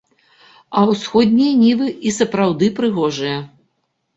А ўсходнія нівы і сапраўды прыгожыя.